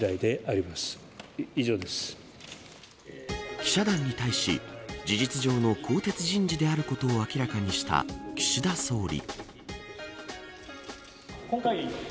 記者団に対し事実上の更迭人事であることを明らかにした岸田総理。